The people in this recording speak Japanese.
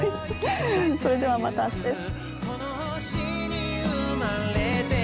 それではまた明日です。